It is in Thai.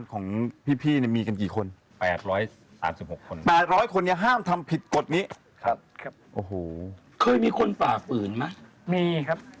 เคยมีคนป่าฝืนไหมครับมีครับ